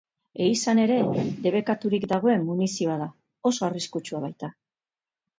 Ehizan ere debekaturik dagoen munizioa da, oso arriskutsua baita.